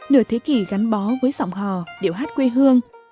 nửa thế kỷ gắn bó với giọng hò điệu hát quê hương